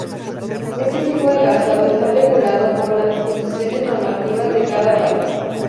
Este tipo de calzado está regulado por las disposiciones normativas de cada país.